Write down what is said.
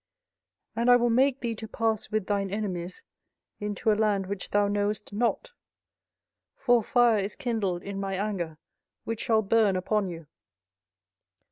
24:015:014 And I will make thee to pass with thine enemies into a land which thou knowest not: for a fire is kindled in mine anger, which shall burn upon you.